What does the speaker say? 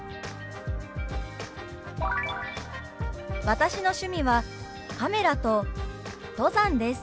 「私の趣味はカメラと登山です」。